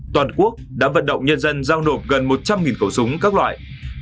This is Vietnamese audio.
toàn quốc đã vận động nhân dân giao nộp gần một trăm linh khẩu súng các loại